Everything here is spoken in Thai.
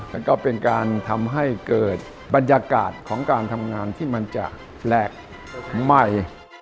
แล้วก็เป็นการทำให้เกิดบรรยากาศของการทำงานที่มันจะแปลกใหม่